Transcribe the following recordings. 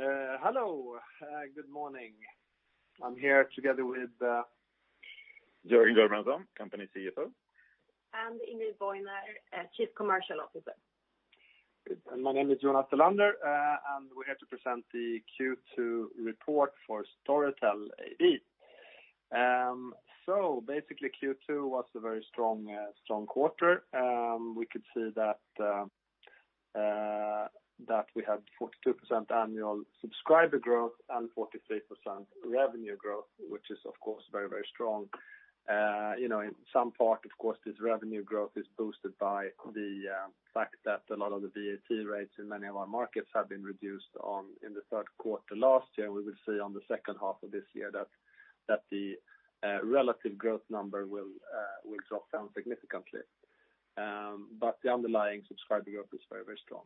Hello, good morning. I'm here together with. Jörgen Gullbrandson, company CFO. Ingrid Bojner, Chief Commercial Officer. Good. My name is Jonas Tellander, and we're here to present the Q2 report for Storytel AB. Basically, Q2 was a very strong quarter. We could see that we had 42% annual subscriber growth and 43% revenue growth, which is, of course, very, very strong. In some part, of course, this revenue growth is boosted by the fact that a lot of the VAT rates in many of our markets have been reduced in the third quarter. Last year, we will see on the second half of this year that the relative growth number will drop down significantly. The underlying subscriber growth is very, very strong.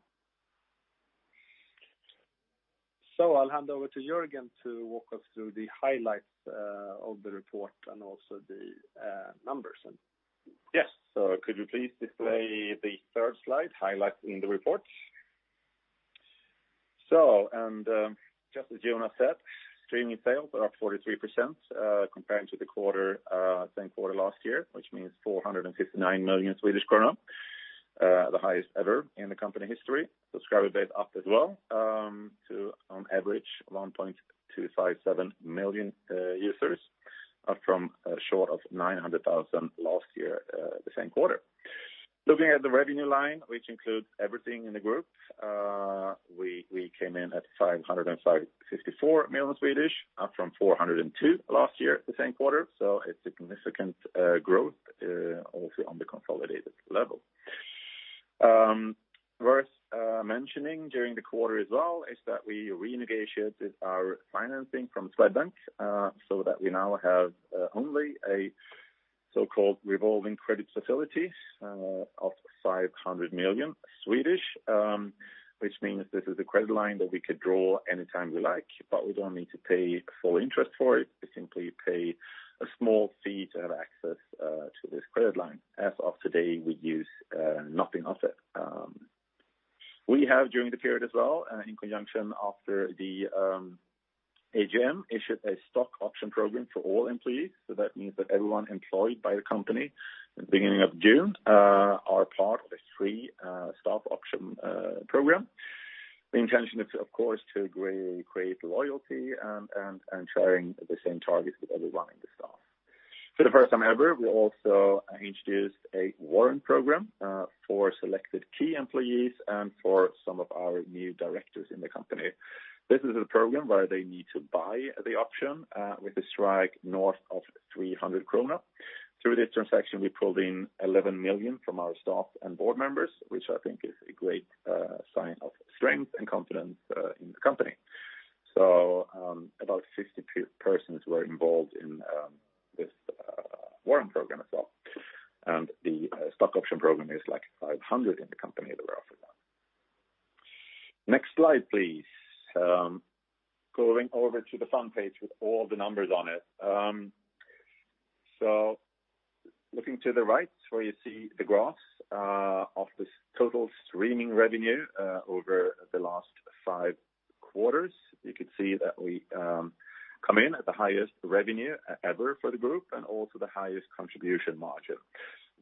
I'll hand over to Jörgen to walk us through the highlights of the report and also the numbers then. Yes. Could you please display the third slide highlighting the report? Just as Jonas said, streaming sales are up 43% comparing to the same quarter last year, which means 459 million Swedish krona, the highest ever in the company history. Subscriber base up as well to on average 1.257 million users, up from short of 900,000 last year the same quarter. Looking at the revenue line, which includes everything in the group, we came in at 554 million, up from 402 last year the same quarter. A significant growth also on the consolidated level. Worth mentioning during the quarter as well is that we renegotiated our financing from Swedbank, so that we now have only a so-called revolving credit facility of 500 million. This means this is a credit line that we could draw anytime we like, but we don't need to pay full interest for it. We simply pay a small fee to have access to this credit line. As of today, we use nothing of it. We have during the period as well, and in conjunction after the AGM, issued a stock option program for all employees. That means that everyone employed by the company at the beginning of June are part of a free stock option program. The intention is, of course, to create loyalty and sharing the same targets with everyone in the staff. For the first time ever, we also introduced a warrant program for selected key employees and for some of our new directors in the company. This is a program where they need to buy the option with a strike north of 300 krona. Through this transaction, we pulled in 11 million from our staff and board members, which I think is a great sign of strength and confidence in the company. About 62 persons were involved in this warrant program as well. The stock option program is like 500 in the company that we offer now. Next slide, please. Going over to the fun page with all the numbers on it. Looking to the right where you see the graphs of this total streaming revenue over the last five quarters. You can see that we come in at the highest revenue ever for the group and also the highest contribution margin.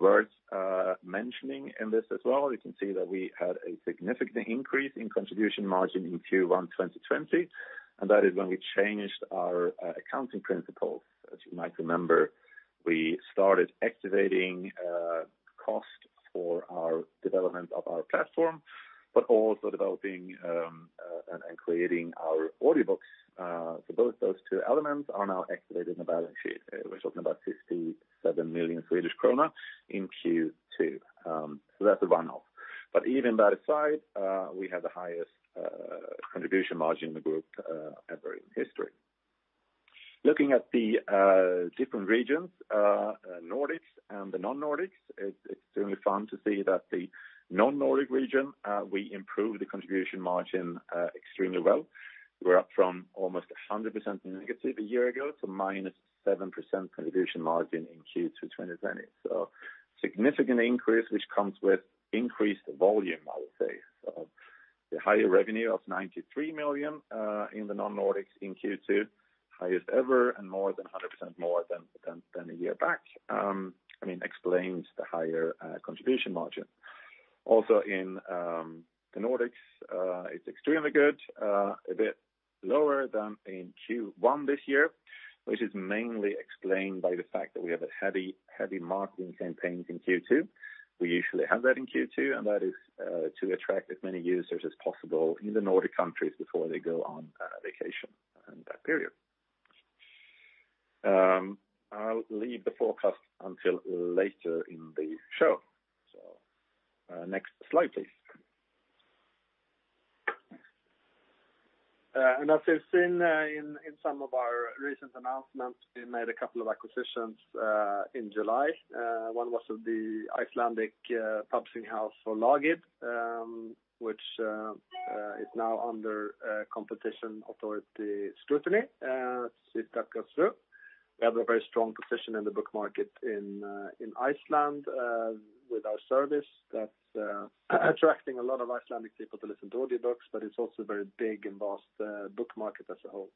Worth mentioning in this as well, you can see that we had a significant increase in contribution margin in Q1 2020, that is when we changed our accounting principles. You might remember, we started activating cost for our development of our platform, but also developing and creating our audiobooks. Both those two elements are now activated in the balance sheet. We're talking about 57 million Swedish krona in Q2. That's a one-off. Even that aside, we had the highest contribution margin in the group ever in history. Looking at the different regions, Nordics and the non-Nordics, it's extremely fun to see that the non-Nordic region, we improved the contribution margin extremely well. We're up from almost 100% negative a year ago to -7% contribution margin in Q2 2020. Significant increase, which comes with increased volume, I would say. The higher revenue of 93 million in the non-Nordics in Q2, highest ever, and more than 100% more than a year back, explains the higher contribution margin. In the Nordics, it's extremely good. A bit lower than in Q1 this year, which is mainly explained by the fact that we have heavy marketing campaigns in Q2. We usually have that in Q2, and that is to attract as many users as possible in the Nordic countries before they go on vacation in that period. I'll leave the forecast until later in the show. Next slide, please. As you've seen in some of our recent announcements, we made a couple of acquisitions in July. One was of the Icelandic publishing house Forlagið, which is now under competition authority scrutiny. We have a very strong position in the book market in Iceland with our service that's attracting a lot of Icelandic people to listen to audiobooks, but it's also very big in vast book market as a whole.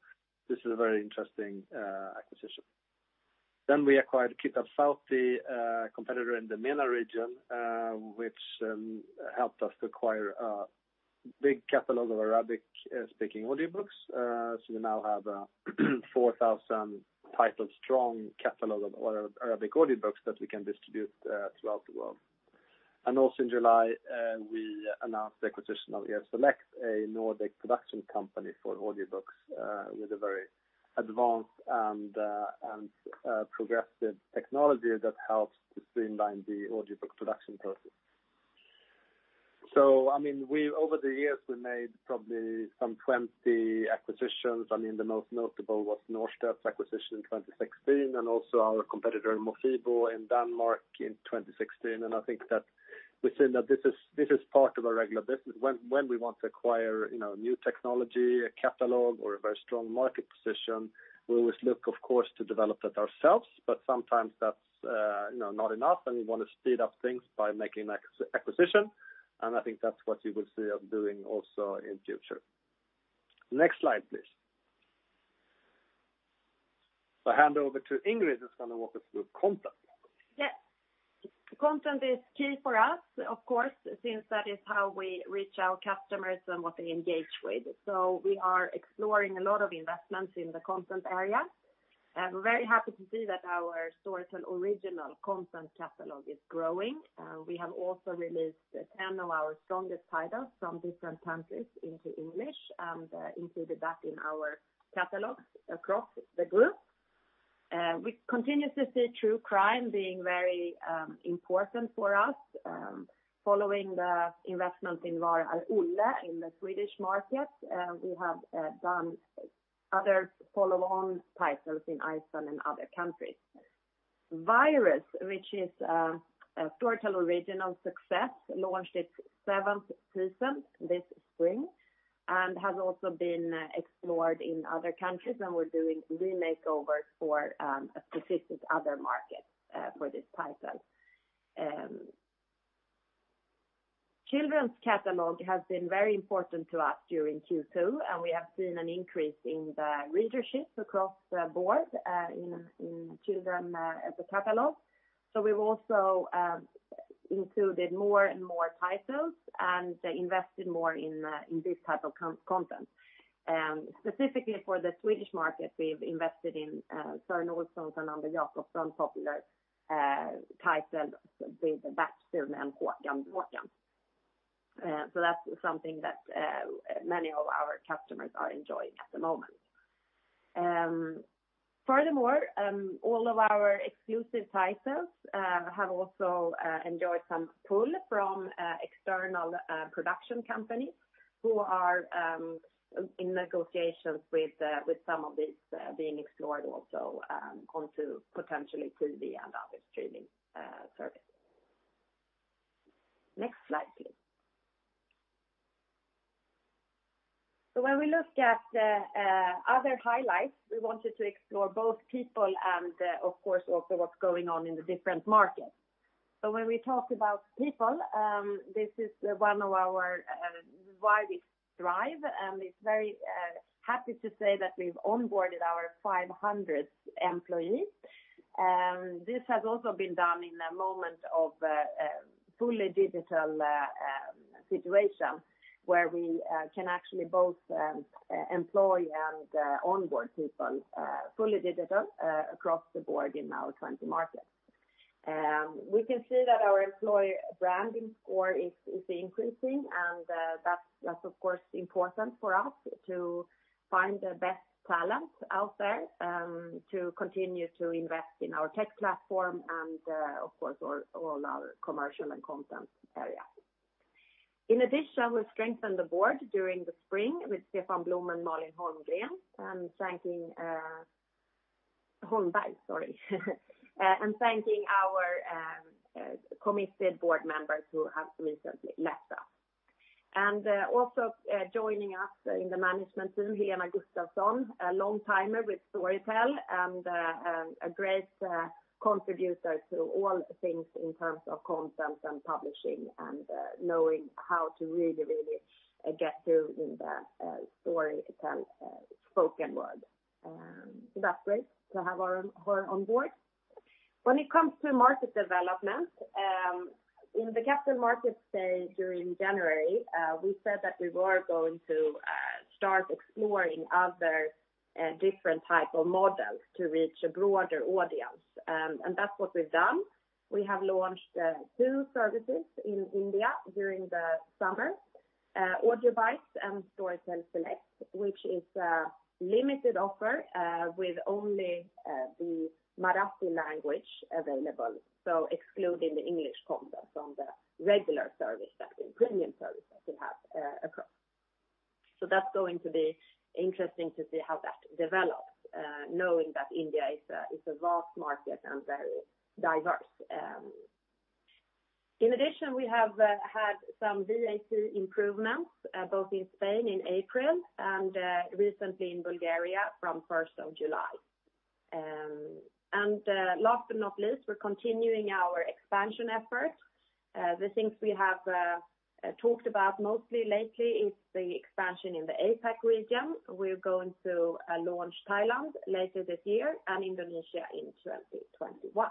This is a very interesting acquisition. We acquired Kitab Sawti, a competitor in the MENA region, which helped us acquire a big catalog of Arabic-speaking audiobooks. We now have a 4,000-title-strong catalog of Arabic audiobooks that we can distribute throughout the world. Also in July, we announced the acquisition of Earselect, a Nordic production company for audiobooks with a very advanced and progressive technology that helps to streamline the audiobook production process. Over the years, we made probably some 20 acquisitions. The most notable was Norstedts acquisition in 2016, and also our competitor Mofibo in Denmark in 2016. I think that within that, this is part of our regular business. When we want to acquire new technology, a catalog, or a very strong market position, we always look, of course, to develop that ourselves, but sometimes that's not enough, and we want to speed up things by making an acquisition. I think that's what you will see us doing also in future. Next slide, please. I hand over to Ingrid, who's going to walk us through content. Content is key for us, of course, since that is how we reach our customers and what they engage with. We are exploring a lot of investments in the content area. I'm very happy to see that our Storytel Original content catalog is growing. We have also released 10 of our strongest titles from different countries into English and included that in our catalog across the group. We continuously see true crime being very important for us. Following the investment in Var är Olle? in the Swedish market, we have done other follow-on titles in Iceland and other countries. Virus, which is a Storytel Original success, launched its seventh season this spring and has also been explored in other countries, and we're doing re-makeovers for specific other markets for this title. Children's catalog has been very important to us during Q2. We have seen an increase in the readership across the board in children as a catalog. We've also included more and more titles and invested more in this type of content. Specifically for the Swedish market, we've invested in Sören Olsson and Anders Jacobsson popular title, "Det är ett barn som göms." That's something that many of our customers are enjoying at the moment. Furthermore, all of our exclusive titles have also enjoyed some pull from external production companies who are in negotiations with some of this being explored also onto potentially TV and other streaming services. Next slide, please. When we looked at other highlights, we wanted to explore both people and, of course, also what's going on in the different markets. When we talk about people, this is why we thrive, and it's very happy to say that we've onboarded our 500th employee. This has also been done in a moment of a fully digital situation where we can actually both employ and onboard people fully digital across the board in our 20 markets. We can see that our employer branding score is increasing, and that's of course important for us to find the best talent out there to continue to invest in our tech platform and, of course, all our commercial and content areas. In addition, we strengthened the board during the spring with Stefan Blom and Malin Holmberg. Thanking Holmberg, sorry. Thanking our committed board members who have recently left us. Also joining us in the management team, Helena Gustafsson, a long-timer with Storytel and a great contributor to all things in terms of content and publishing and knowing how to really get through in the Storytel spoken word. That's great to have her on board. When it comes to market development, in the Capital Markets Day during January, we said that we were going to start exploring other different types of models to reach a broader audience. That's what we've done. We have launched two services in India during the summer, AudioBites and Storytel Select, which is a limited offer with only the Marathi language available, so excluding the English content from the regular service that the premium service that we have across. That's going to be interesting to see how that develops knowing that India is a vast market and very diverse. In addition, we have had some VAT improvements, both in Spain in April and recently in Bulgaria from 1st of July. Last but not least, we're continuing our expansion efforts. The things we have talked about mostly lately is the expansion in the APAC region. We're going to launch Thailand later this year and Indonesia in 2021.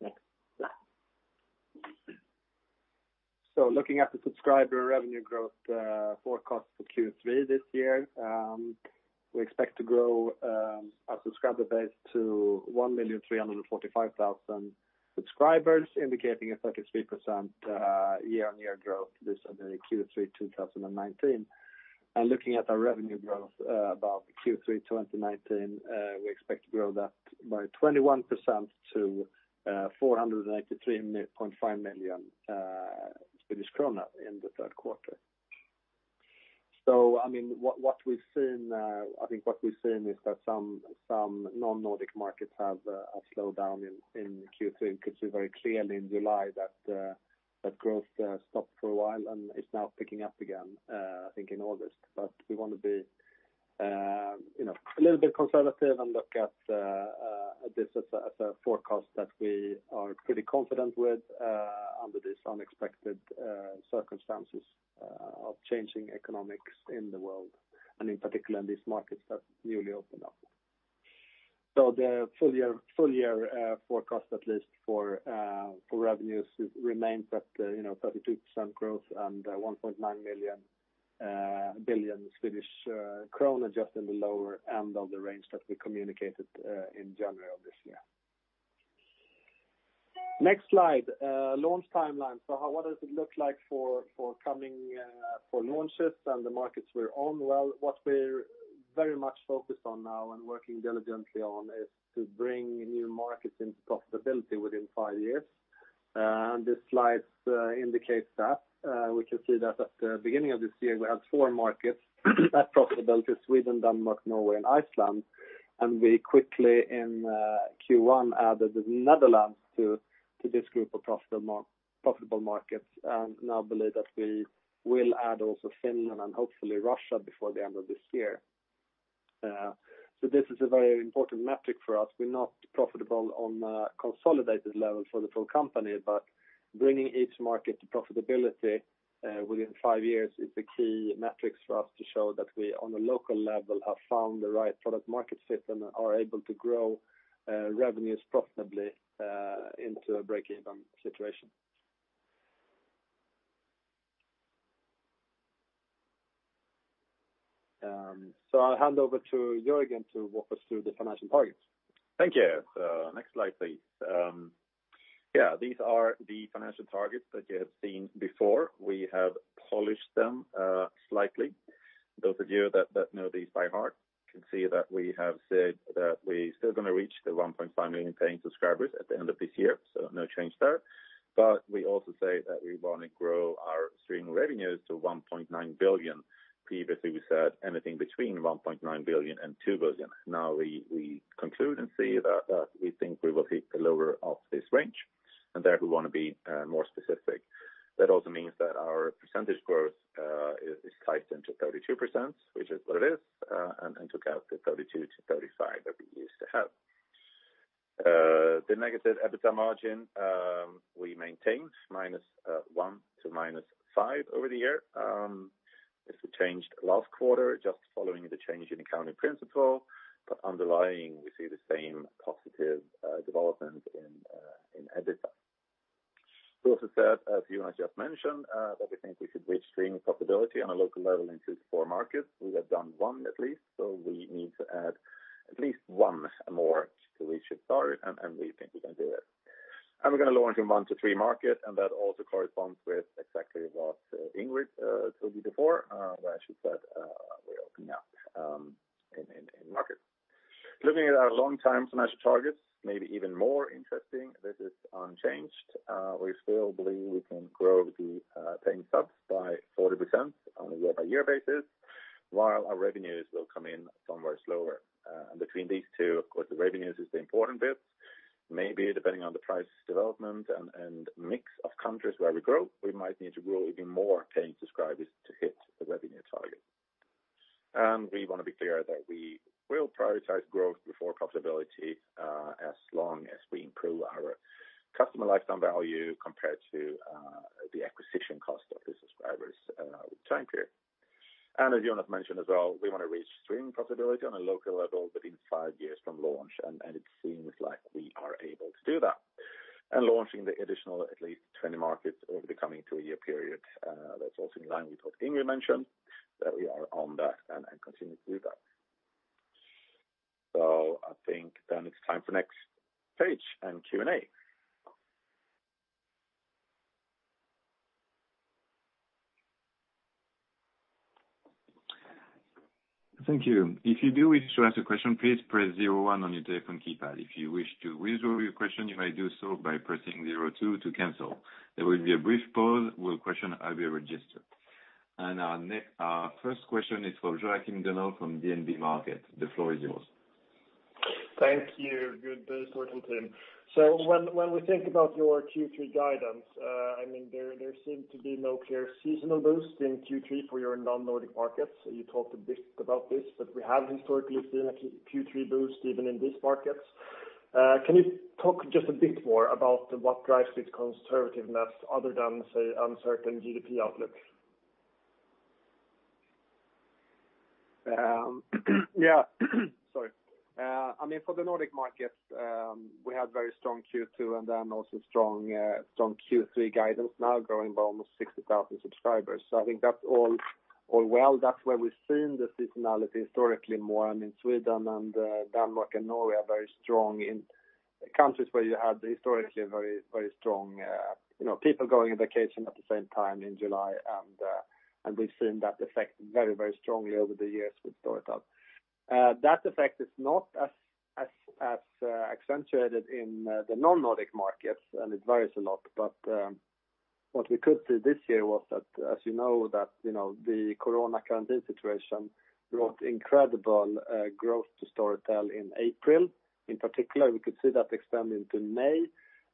Next slide. Looking at the subscriber revenue growth forecast for Q3 this year, we expect to grow our subscriber base to 1,345,000 subscribers, indicating a 33% year-on-year growth this Q3 2019. Looking at our revenue growth about Q3 2019, we expect to grow that by 21% to 483.5 million Swedish krona in the third quarter. I think what we've seen is that some non-Nordic markets have slowed down in Q3. We could see very clearly in July that growth stopped for a while and is now picking up again, I think in August. We want to be a little bit conservative and look at this as a forecast that we are pretty confident with under this unexpected circumstances of changing economics in the world, and in particular in these markets that newly opened up. The full year forecast, at least for revenues, remains at 32% growth and 1.9 billion Swedish krona, just in the lower end of the range that we communicated in January of this year. Next slide. Launch timeline. What does it look like for launches and the markets we're on? What we're very much focused on now and working diligently on is to bring new markets into profitability within five years. This slide indicates that. We can see that at the beginning of this year, we had four markets at profitability, Sweden, Denmark, Norway, and Iceland. We quickly in Q1 added the Netherlands to this group of profitable markets. Now believe that we will add also Finland and hopefully Russia before the end of this year. This is a very important metric for us. We're not profitable on a consolidated level for the full company, bringing each market to profitability within five years is the key metrics for us to show that we, on a local level, have found the right product-market fit and are able to grow revenues profitably into a break-even situation. I'll hand over to Jörgen to walk us through the financial targets. Thank you. Next slide, please. These are the financial targets that you have seen before. We have polished them slightly. Those of you that know these by heart can see that we have said that we're still going to reach the 1.5 million paying subscribers at the end of this year, so no change there. We also say that we want to grow our streaming revenues to 1.9 billion. Previously, we said anything between 1.9 billion and 2 billion. Now we conclude and see that we think we will hit the lower of this range, and there we want to be more specific. That also means that our percentage growth is priced into 32%, which is what it is, and took out the 32%-35% that we used to have. The negative EBITDA margin, we maintained -1% to -5% over the year. This we changed last quarter, just following the change in accounting principle. Underlying, we see the same positive development in EBITDA. We also said, as Jonas just mentioned, that we think we should reach streaming profitability on a local level in two to four markets. We have done one at least, so we need to add at least one more to reach the target, and we think we can do it. We're going to launch in one to three markets, and that also corresponds with exactly what Ingrid told you before, where she said we're opening up in markets. Looking at our long-term financial targets, maybe even more interesting. This is unchanged. We still believe we can grow the paying subs by 40% on a year-by-year basis, while our revenues will come in somewhere slower. Between these two, of course, the revenues is the important bit. We want to be clear that we will prioritize growth before profitability, as long as we improve our customer lifetime value compared to the acquisition cost of the subscribers with time period. As Jonas mentioned as well, we want to reach streaming profitability on a local level within five years from launch, and it seems like we are able to do that. Launching the additional at least 20 markets over the coming two-year period, that's also in line with what Ingrid mentioned, that we are on that and continue to do that. I think it's time for next page and Q&A. Thank you. If you do wish to ask a question, please press zero one on your telephone keypad. If you wish to withdraw your question, you may do so by pressing zero two to cancel. There will be a brief pause while your question will be registered. Our first question is from Joachim Gunell from DNB Markets. The floor is yours. Thank you. Good day's work, team. When we think about your Q3 guidance, there seemed to be no clear seasonal boost in Q3 for your non-Nordic markets. You talked a bit about this, but we have historically seen a Q3 boost even in these markets. Can you talk just a bit more about what drives this conservativeness other than, say, uncertain GDP outlook? Yeah. Sorry. For the Nordic markets, we had very strong Q2, and then also strong Q3 guidance now growing by almost 60,000 subscribers. I think that's all well. That's where we've seen the seasonality historically more. I mean, Sweden and Denmark and Norway are very strong in countries where you had historically very strong people going on vacation at the same time in July. We've seen that effect very strongly over the years with Storytel. That effect is not as accentuated in the non-Nordic markets, and it varies a lot. What we could see this year was that, as you know, the corona quarantine situation brought incredible growth to Storytel in April. In particular, we could see that extend into May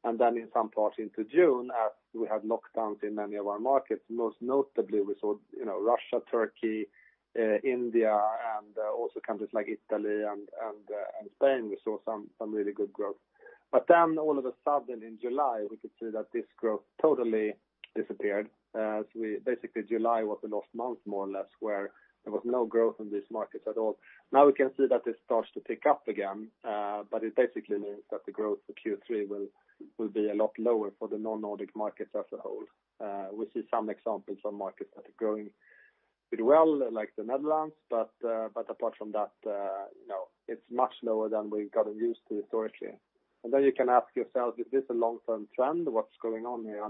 and then in some parts into June as we had lockdowns in many of our markets. Most notably, we saw Russia, Turkey, India, and also countries like Italy and Spain. We saw some really good growth. All of a sudden in July, we could see that this growth totally disappeared. Basically July was the lost month, more or less, where there was no growth in these markets at all. Now we can see that it starts to pick up again. It basically means that the growth for Q3 will be a lot lower for the non-Nordic markets as a whole. We see some examples from markets that are growing pretty well, like the Netherlands. Apart from that, no, it's much lower than we've gotten used to historically. You can ask yourself, is this a long-term trend? What's going on here?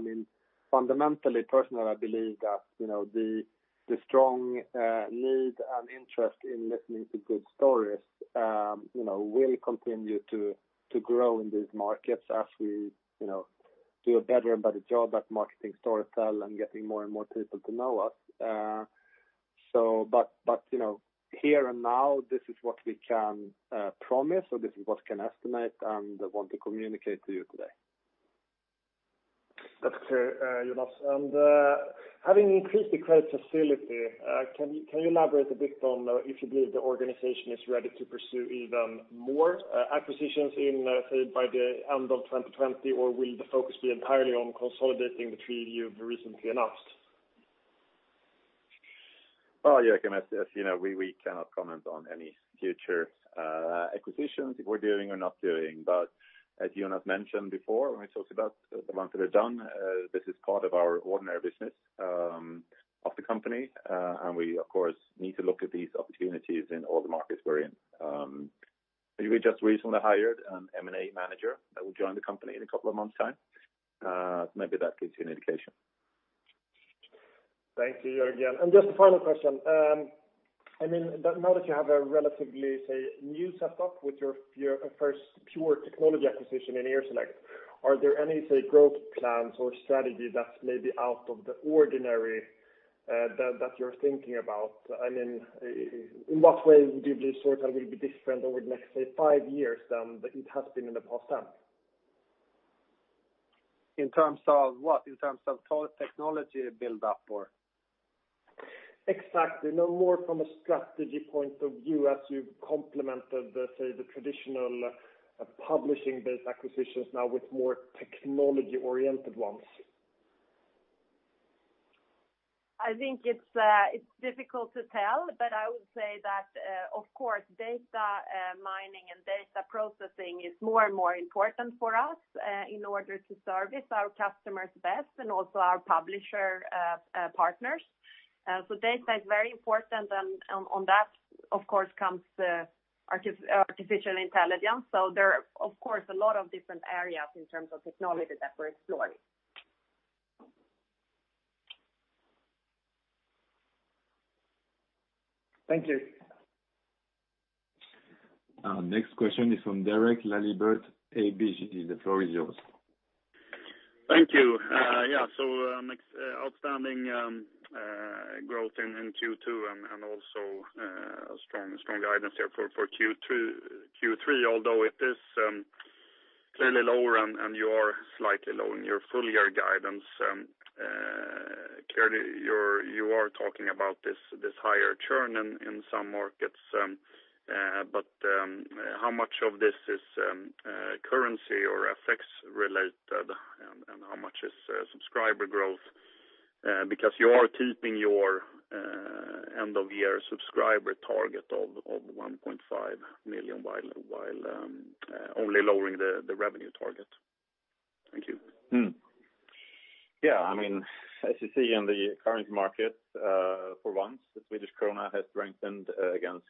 Fundamentally, personally, I believe that the strong need and interest in listening to good stories will continue to grow in these markets as we do a better job at marketing Storytel and getting more and more people to know us. Here and now, this is what we can promise, or this is what we can estimate and want to communicate to you today. That's clear, Jonas. Having increased the credit facility, can you elaborate a bit on if you believe the organization is ready to pursue even more acquisitions, say, by the end of 2020? Will the focus be entirely on consolidating the three you've recently announced? Joachim, as you know, we cannot comment on any future acquisitions, if we're doing or not doing. As Jonas mentioned before, when we talked about the ones that are done, this is part of our ordinary business of the company. We, of course, need to look at these opportunities in all the markets we're in. We just recently hired an M&A manager that will join the company in a couple of months' time. Maybe that gives you an indication. Thank you. Jörgen. Just a final question. Now that you have a relatively, say, new setup with your first pure technology acquisition in Earselect, are there any, say, growth plans or strategy that's maybe out of the ordinary that you're thinking about? In what way would you believe Storytel will be different over the next, say, five years than it has been in the past time? In terms of what? In terms of technology buildup, or? Exactly. No, more from a strategy point of view as you've complemented the traditional publishing-based acquisitions now with more technology-oriented ones. I think it's difficult to tell, but I would say that, of course, data mining and data processing is more and more important for us in order to service our customers best and also our publisher partners. Data is very important, and on that, of course, comes artificial intelligence. There are, of course, a lot of different areas in terms of technology that we're exploring. Thank you. Our next question is from Derek Laliberté at ABG. The floor is yours. Thank you. Yeah. Outstanding growth in Q2 and also strong guidance there for Q3, although it is clearly lower, and you are slightly low in your full-year guidance. Clearly, you are talking about this higher churn in some markets. How much of this is currency or FX related, and how much is subscriber growth? You are keeping your end-of-year subscriber target of 1.5 million while only lowering the revenue target. Thank you. Yeah. As you see in the current market, for once, the Swedish krona has strengthened against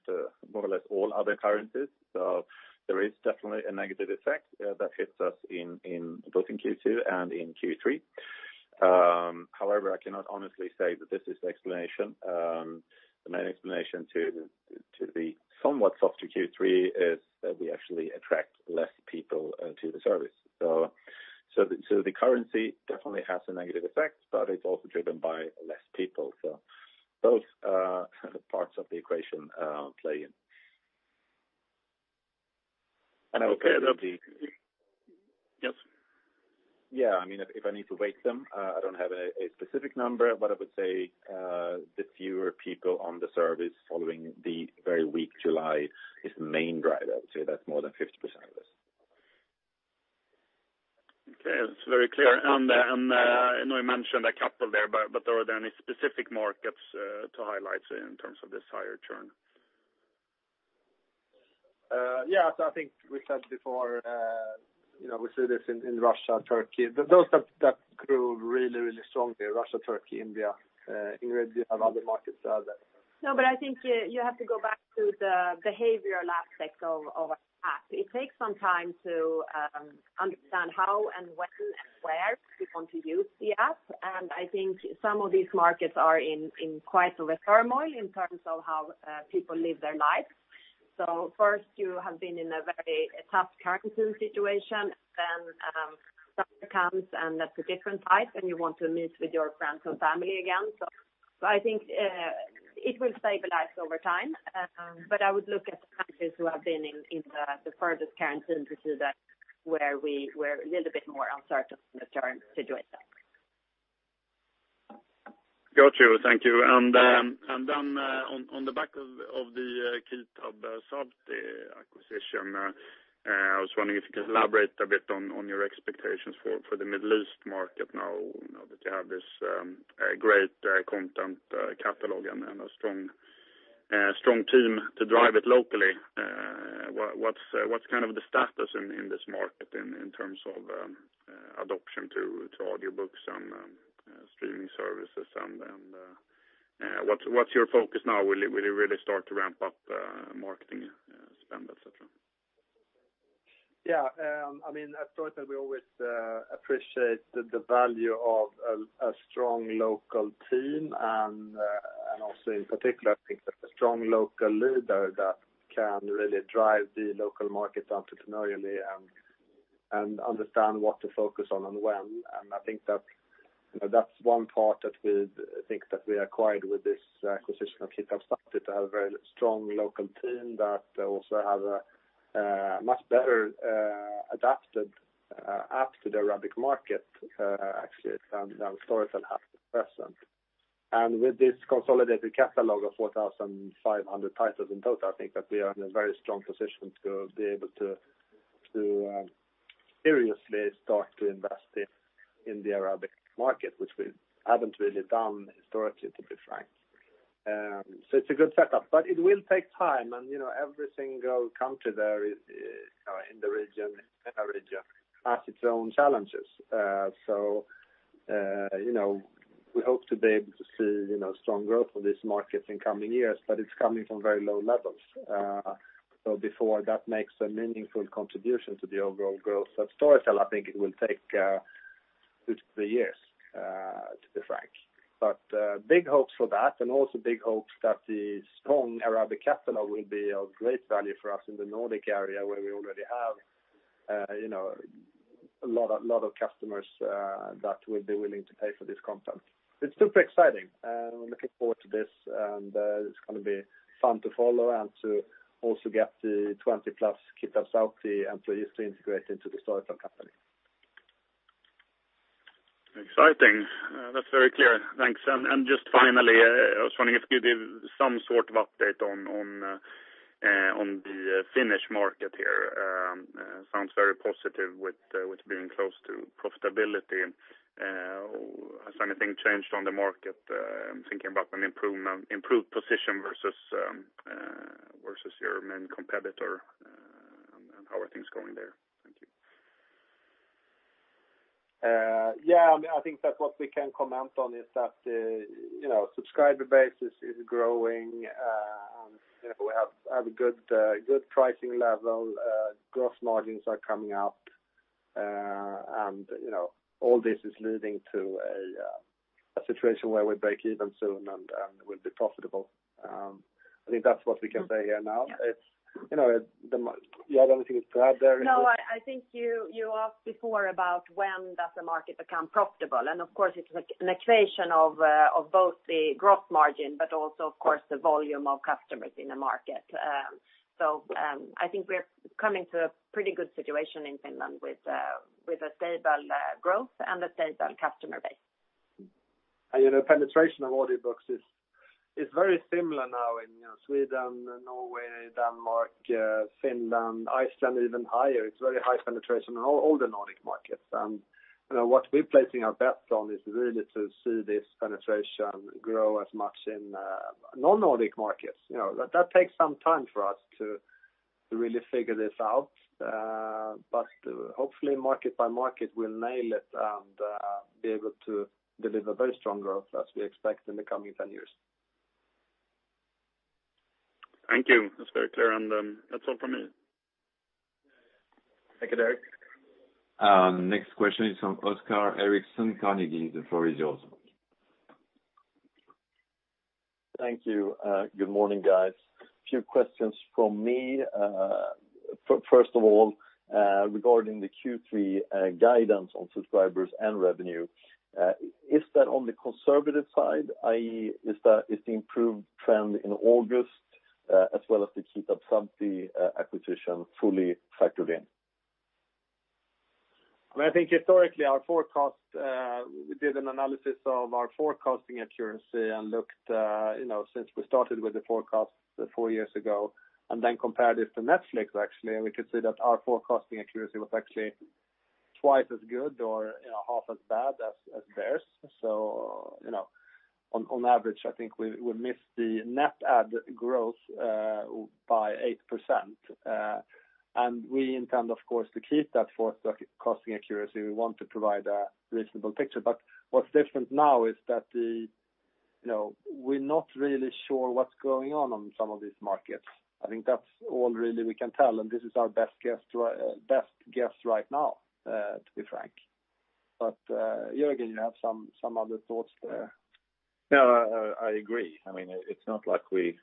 more or less all other currencies. There is definitely a negative effect that hits us both in Q2 and in Q3. However, I cannot honestly say that this is the explanation. The main explanation to the somewhat softer Q3 is that we actually attract less people to the service. The currency definitely has a negative effect, but it's also driven by less people. Both are the parts of the equation play in. Okay. Yes. Yeah. If I need to weight them, I don't have a specific number, but I would say, the fewer people on the service following the very weak July is the main driver. I would say that's more than 50% of this. Okay. That's very clear. I know I mentioned a couple there, but are there any specific markets to highlight in terms of this higher churn? Yeah. I think we said before, we see this in Russia, Turkey, those that grew really strongly. Russia, Turkey, India. Ingrid, do you have other markets to add there? I think you have to go back to the behavioral aspect of an app. It takes some time to understand how and when and where people want to use the app. I think some of these markets are in quite a bit of turmoil in terms of how people live their lives. First, you have been in a very tough quarantine situation, then summer comes, and that's a different type, and you want to meet with your friends and family again. I think it will stabilize over time. I would look at the countries who have been in the furthest quarantine to see that where we're a little bit more uncertain of the churn situation. Got you. Thank you. On the back of the Kitab Sawti acquisition, I was wondering if you could elaborate a bit on your expectations for the Middle East market now that you have this great content catalog and a strong team to drive it locally. What's the status in this market in terms of adoption to audiobooks and streaming services and what's your focus now? Will you really start to ramp up marketing spend, et cetera? Yeah. At Storytel, we always appreciate the value of a strong local team and also in particular, I think that a strong local leader that can really drive the local market entrepreneurially and understand what to focus on and when. I think that's one part that we think that we acquired with this acquisition of Kitab Sawti, to have a very strong local team that also have a much better adapted app to the Arabic market, actually, than Storytel has at present. With this consolidated catalog of 4,500 titles in total, I think that we are in a very strong position to be able to seriously start to invest in the Arabic market, which we haven't really done historically, to be frank. It's a good setup. It will take time, and every single country there in the region has its own challenges. We hope to be able to see strong growth for this market in coming years, but it's coming from very low levels. Before that makes a meaningful contribution to the overall growth at Storytel, I think it will take two to three years, to be frank. Big hopes for that and also big hopes that the strong Arabic catalog will be of great value for us in the Nordic area where we already have a lot of customers that will be willing to pay for this content. It's super exciting and we're looking forward to this, and it's going to be fun to follow and to also get the 20+ Kitab Sawti employees to integrate into the Storytel company. Exciting. That's very clear. Thanks. Just finally, I was wondering if you could give some sort of update on the Finnish market here. Sounds very positive with being close to profitability. Has anything changed on the market? I'm thinking about an improved position versus your main competitor. How are things going there? Thank you. Yeah. I think that what we can comment on is that the subscriber base is growing. We have a good pricing level. Gross margins are coming up. All this is leading to a situation where we break even soon and will be profitable. I think that's what we can say here now. Do you have anything to add there, Ingrid? No. I think you asked before about when does the market become profitable. Of course, it's an equation of both the gross margin, but also, of course, the volume of customers in the market. I think we're coming to a pretty good situation in Finland with a stable growth and a stable customer base. Penetration of audiobooks is very similar now in Sweden, Norway, Denmark, Finland, Iceland even higher. It's very high penetration in all the Nordic markets. What we're placing our bets on is really to see this penetration grow as much in non-Nordic markets. That takes some time for us to really figure this out. Hopefully market by market, we'll nail it and be able to deliver very strong growth as we expect in the coming 10 years. Thank you. That's very clear. That's all from me. Thank you, Derek. Next question is from Oscar Erixon, Carnegie. The floor is yours. Thank you. Good morning, guys. Few questions from me. First of all, regarding the Q3 guidance on subscribers and revenue, is that on the conservative side, i.e., is the improved trend in August as well as the Kitab Sawti acquisition fully factored in? I think historically our forecast, we did an analysis of our forecasting accuracy and looked since we started with the forecast four years ago, and then compared it to Netflix actually, and we could see that our forecasting accuracy was actually twice as good or half as bad as theirs. On average, I think we missed the net add growth by 8%. We intend, of course, to keep that forecasting accuracy. We want to provide a reasonable picture. What's different now is that we're not really sure what's going on in some of these markets. I think that's all really we can tell, and this is our best guess right now, to be frank. Jörgen, you have some other thoughts there? No, I agree. It's not like we're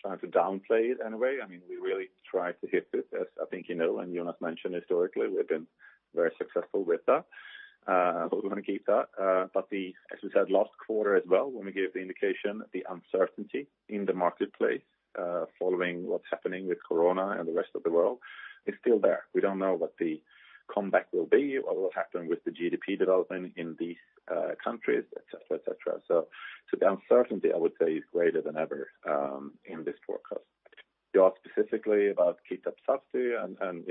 trying to downplay it in any way. We really try to hit it, as I think you know, and Jonas mentioned historically, we've been very successful with that. We want to keep that. As we said last quarter as well, when we gave the indication, the uncertainty in the marketplace following what's happening with Corona and the rest of the world is still there. We don't know what the comeback will be, what will happen with the GDP development in these countries, et cetera. The uncertainty, I would say, is greater than ever in this forecast. You asked specifically about Kitab Sawti, and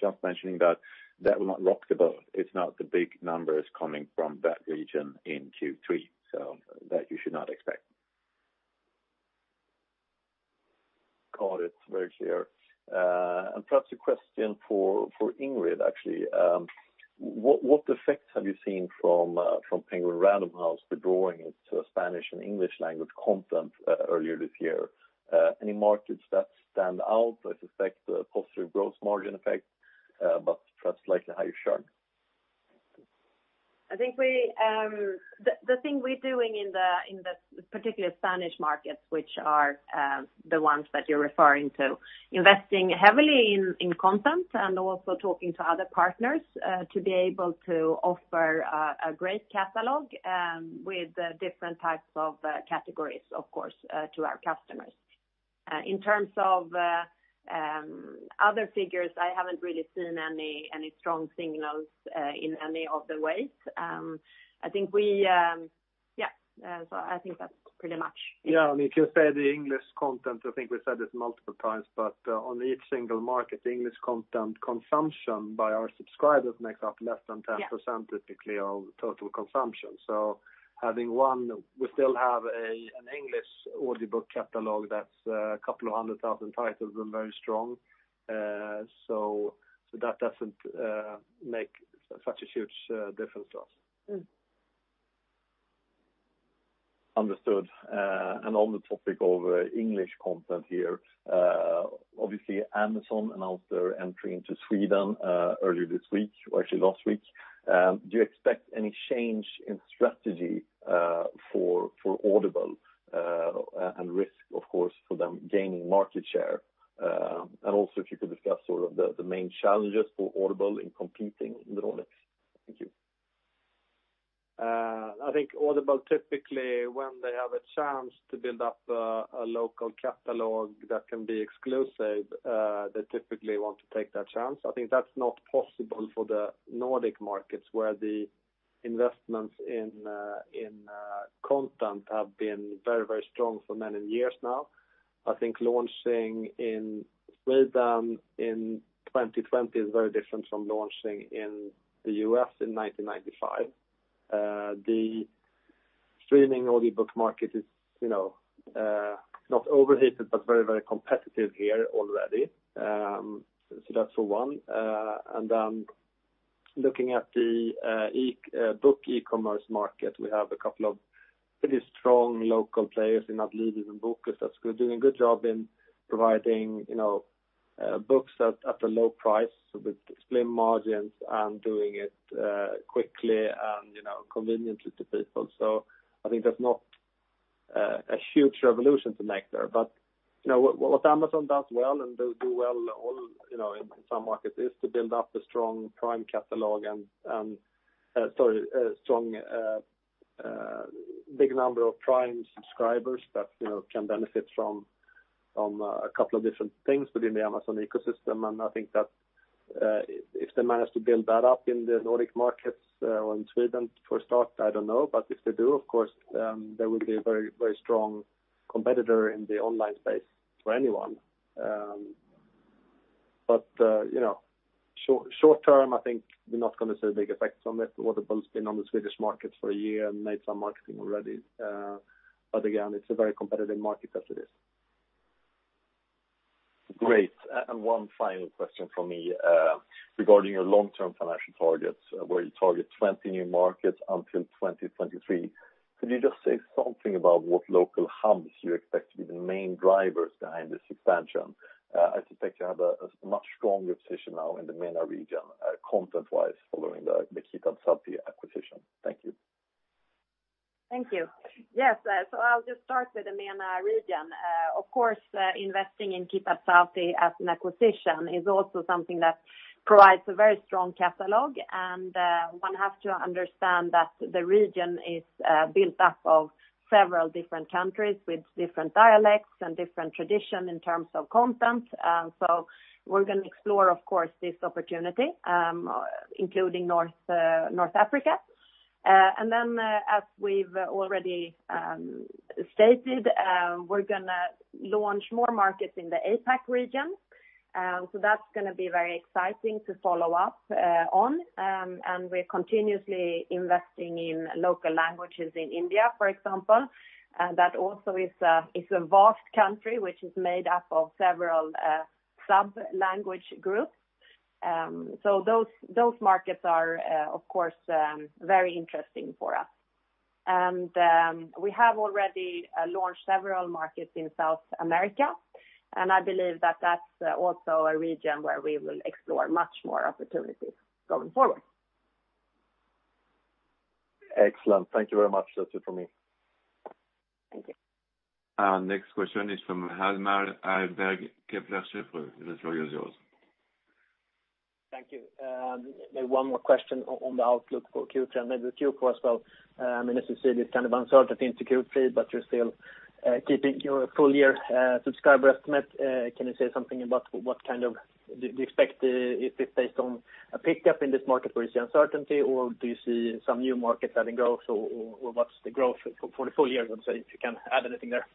just mentioning that will not rock the boat. It's not the big numbers coming from that region in Q3. That you should not expect. Got it. Very clear. Perhaps a question for Ingrid, actually. What effects have you seen from Penguin Random House withdrawing its Spanish and English language content earlier this year? Any markets that stand out? I suspect a positive gross margin effect, but perhaps likely how you've shrunk. I think the thing we're doing in the particular Spanish markets, which are the ones that you're referring to, investing heavily in content and also talking to other partners to be able to offer a great catalog with different types of categories, of course, to our customers. In terms of other figures, I haven't really seen any strong signals in any of the ways. I think that's pretty much it. Yeah, if you say the English content, I think we said it multiple times, but on each single market, the English content consumption by our subscribers makes up less than 10%- Yeah typically of total consumption. Having one, we still have an English audiobook catalog that's a couple of hundred thousand titles and very strong. That doesn't make such a huge difference to us. Understood. On the topic of English content here, obviously Amazon announced their entry into Sweden earlier this week, or actually last week. Do you expect any change in strategy for Audible, and risk, of course, for them gaining market share? Also if you could discuss sort of the main challenges for Audible in competing in the Nordics. Thank you. I think Audible typically, when they have a chance to build up a local catalog that can be exclusive, they typically want to take that chance. I think that's not possible for the Nordic markets, where the investments in content have been very strong for many years now. I think launching in Sweden in 2020 is very different from launching in the U.S. in 1995. The streaming audiobook market is not overheated, but very competitive here already. That's for one. Looking at the book e-commerce market, we have a couple of pretty strong local players in Adlibris and Bokus that's doing a good job in providing books at a low price with slim margins and doing it quickly and conveniently to people. I think that's not a huge revolution to make there. What Amazon does well, and they'll do well in some markets, is to build up a strong Prime catalog, a big number of Prime subscribers that can benefit from a couple of different things within the Amazon ecosystem. I think that if they manage to build that up in the Nordic markets or in Sweden, for a start, I don't know. If they do, of course, they will be a very strong competitor in the online space for anyone. Short term, I think we're not going to see a big effect from it. Audible's been on the Swedish market for a year and made some marketing already. Again, it's a very competitive market as it is. Great. One final question from me regarding your long-term financial targets, where you target 20 new markets until 2023. Could you just say something about what local hubs you expect to be the main drivers behind this expansion? I suspect you have a much stronger position now in the MENA region, content-wise, following the Kitab Sawti acquisition. Thank you. Thank you. Yes. I'll just start with the MENA region. Of course, investing in Kitab Sawti as an acquisition is also something that provides a very strong catalog. One has to understand that the region is built up of several different countries with different dialects and different tradition in terms of content. We're going to explore, of course, this opportunity, including North Africa. As we've already stated, we're going to launch more markets in the APAC region. That's going to be very exciting to follow up on. We're continuously investing in local languages in India, for example. That also is a vast country, which is made up of several sub-language groups. Those markets are, of course, very interesting for us. We have already launched several markets in South America, and I believe that's also a region where we will explore many more opportunities going forward. Excellent. Thank you very much. That's it for me. Thank you. Our next question is from Hjalmar Ahlberg, Kepler Cheuvreux. The floor is yours. Thank you. Maybe one more question on the outlook for Q3 and maybe Q4 as well. As you said, it's kind of uncertain into Q3, but you're still keeping your full year subscriber estimate. Can you say something about what you expect, if it's based on a pickup in this market where you see uncertainty, or do you see some new markets adding growth, or what's the growth for the full year? I'd say if you can add anything there.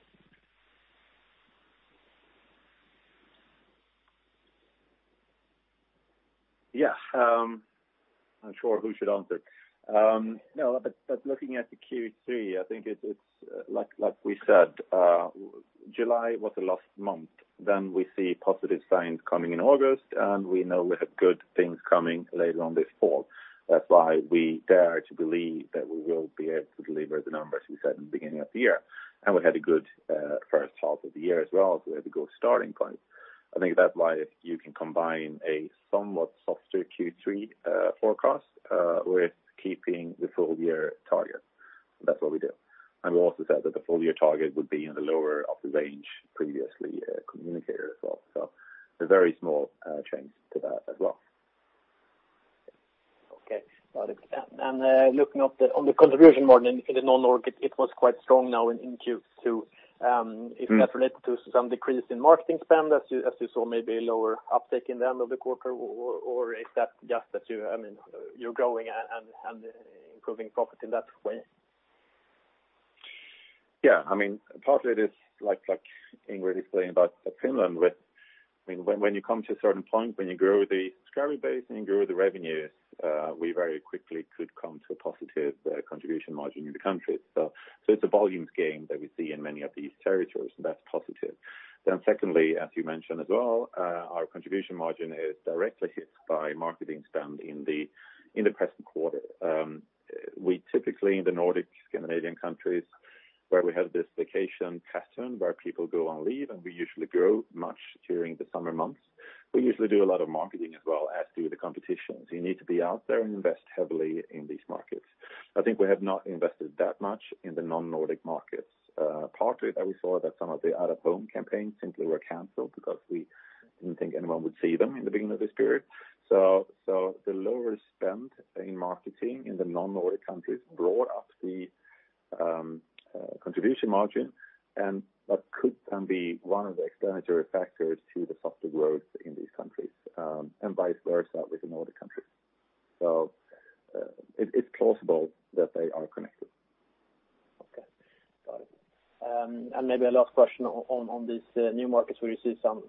Yes. I'm not sure who should answer. Looking at the Q3, I think it's like we said, July was the last month. We see positive signs coming in August, and we know we have good things coming later on this fall. We dare to believe that we will be able to deliver the numbers we said in the beginning of the year. We had a good first half of the year as well, so we had a good starting point. I think that's why you can combine a somewhat softer Q3 forecast with keeping the full-year target. That's what we do. We also said that the full-year target would be in the lower of the range previously communicated as well. A very small change to that as well. Okay. Got it. Looking on the contribution margin in the non-Nordic, it was quite strong now in Q2. Is that related to some decrease in marketing spend as you saw maybe a lower uptake in the end of the quarter, or is that just that you're growing and improving profit in that way? Yeah. Partly it is like Ingrid explained about Finland with, when you come to a certain point, when you grow the subscriber base and you grow the revenues, we very quickly could come to a positive contribution margin in the country. It's a volumes game that we see in many of these territories, and that's positive. Secondly, as you mentioned as well, our contribution margin is directly hit by marketing spend in the present quarter. We typically, in the Nordic Scandinavian countries, where we have this vacation pattern where people go on leave, and we usually grow much during the summer months. We usually do a lot of marketing as well as do the competitions. You need to be out there and invest heavily in these markets. I think we have not invested that much in the non-Nordic markets. Partly that we saw that some of the out-of-home campaigns simply were canceled because we didn't think anyone would see them in the beginning of this period. The lower spend in marketing in the non-Nordic countries brought up the contribution margin, and that could then be one of the explanatory factors to the softer growth in these countries, and vice versa with the Nordic countries. It's plausible that they are connected. Okay. Got it. Maybe a last question on these new markets where you see some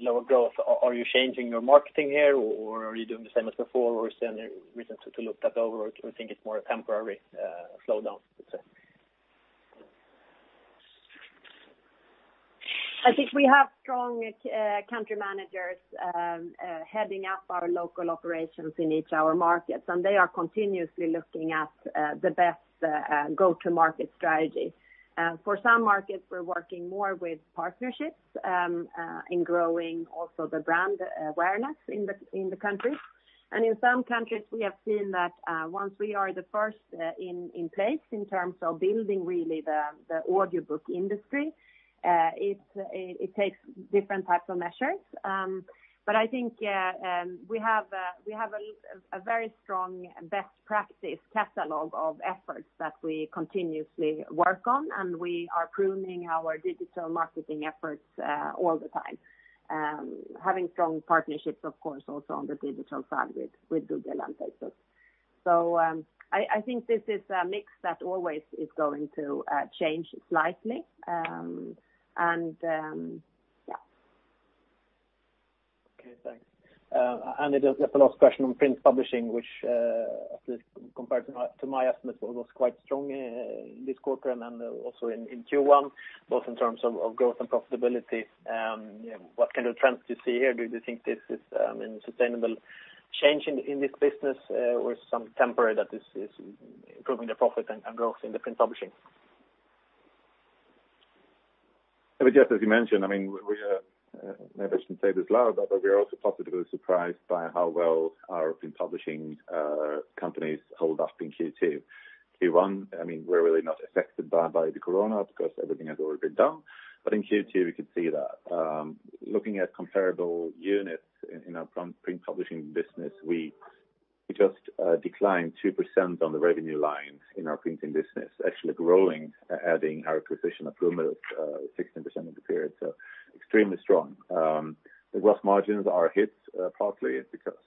lower growth. Are you changing your marketing here, or are you doing the same as before, or is there any reason to look that over? Or do you think it's more a temporary slowdown? I think we have strong country managers heading up our local operations in each our markets, and they are continuously looking at the best go-to-market strategy. For some markets, we're working more with partnerships in growing also the brand awareness in the countries. In some countries, we have seen that once we are the first in place in terms of building really the audiobook industry, it takes different types of measures. I think we have a very strong best practice catalog of efforts that we continuously work on, and we are pruning our digital marketing efforts all the time, having strong partnerships, of course, also on the digital side with Google and Facebook. I think this is a mix that always is going to change slightly. Yeah. Okay, thanks. Just a last question on print publishing, which at least compared to my estimate, was quite strong this quarter and then also in Q1, both in terms of growth and profitability. What kind of trends do you see here? Do you think this is a sustainable change in this business or some temporary that this is improving the profit and growth in the print publishing? Just as you mentioned, maybe I shouldn't say this loud, but we're also positively surprised by how well our print publishing companies hold up in Q2. Q1, we're really not affected by the corona because everything has already been done. In Q2, we could see that. Looking at comparable units in our print publishing business, we just declined 2% on the revenue lines in our printing business, actually growing, adding our acquisition of [Pluma] at 16% of the period, so extremely strong. The gross margins are hit partly because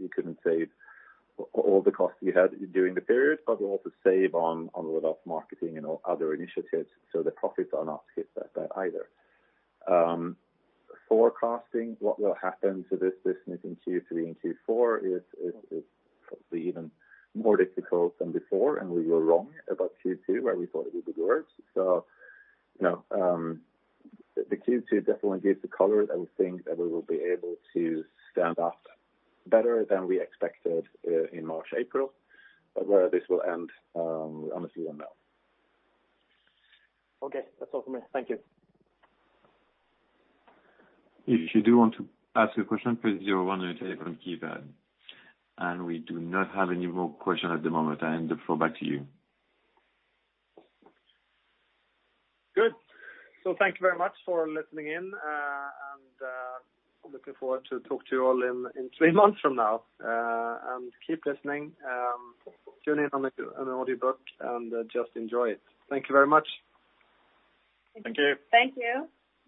you couldn't save all the costs you had during the period, but we also save on a lot of marketing and other initiatives, so the profits are not hit that bad either. Forecasting what will happen to this business in Q3 and Q4 is probably even more difficult than before. We were wrong about Q2, where we thought it would be worse. No, the Q2 definitely gives the color, and we think that we will be able to stand up better than we expected in March, April. Where this will end, we honestly don't know. Okay. That's all from me. Thank you. If you do want to ask a question, press zero on your telephone keypad. We do not have any more questions at the moment. I hand the floor back to you. Good. Thank you very much for listening in, and I am looking forward to talk to you all in three months from now. Keep listening. Tune in on an audiobook, and just enjoy it. Thank you very much. Thank you. Thank you.